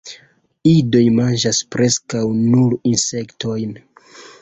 Idoj manĝas preskaŭ nur insektojn.